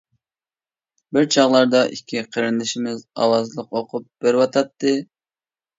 بىر چاغلاردا ئىككى قېرىندىشىمىز ئاۋازلىق ئوقۇپ بېرىۋاتاتتى.